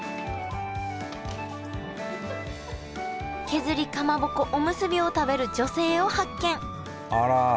削りかまぼこおむすびを食べる女性を発見あら！